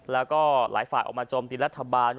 แล้วก็หลายฝ่ายออกมาโจมตีรัฐบาล